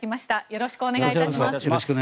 よろしくお願いします。